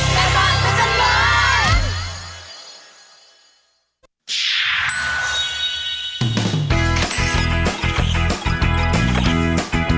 แม่บ้านพระจันทร์บ้าน